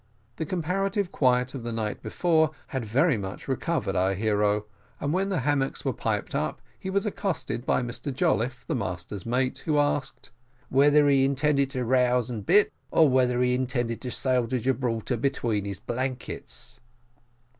The comparative quiet of the night before had very much recovered our hero, and when the hammocks were piped up, he was accosted by Mr Jolliffe, the master's mate, who asked, "whether he intended to rouse and bit, or whether he intended to sail to Gibraltar between his blankets."